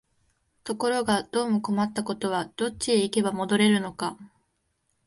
ところがどうも困ったことは、どっちへ行けば戻れるのか、